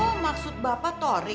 oh maksud bapak tori